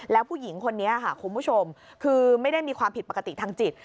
แล้วผู้หญิงคนนี้ค่ะคุณผู้ชมคือไม่ได้มีความผิดปกติทางจิต